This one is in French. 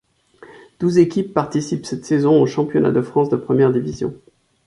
Douze équipes participent cette saison au championnat de France de première division.